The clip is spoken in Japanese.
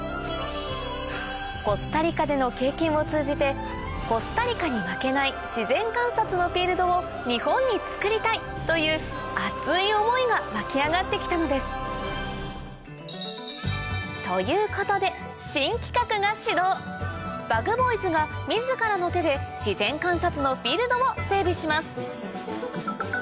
コスタリカでの経験を通じてコスタリカに負けない自然観察のフィールドを日本に作りたい！という熱い思いが湧き上がってきたのですということで新企画が始動ＢｕｇＢｏｙｓが自らの手で自然観察のフィールドを整備します